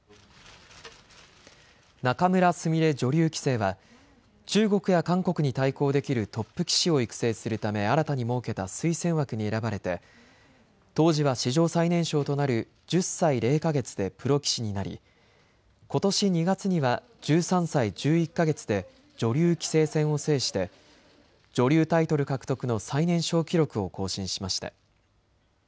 仲邑菫女流棋聖は中国や韓国に対抗できるトップ棋士を育成するため新たに設けた推薦枠に選ばれて当時は史上最年少となる１０歳０か月でプロ棋士になりことし２月には１３歳１１か月で女流棋聖戦を制して女流タイトル獲得の最年少記録を更新しました。